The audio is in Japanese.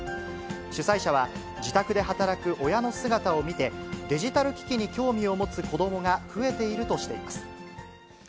主催者は、自宅で働く親の姿を見て、デジタル機器に興味を持つ子どもが増えているとしています。